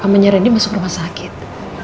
mas rendy masuk rumah sakit